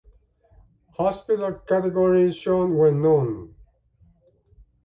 Hospital category is shown when known.